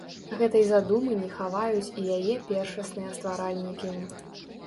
Гэтай задумы не хаваюць і яе першасныя стваральнікі.